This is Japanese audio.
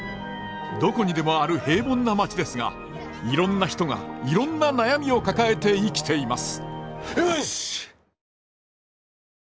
どこにでもある平凡な町ですがいろんな人がいろんな悩みを抱えて生きています。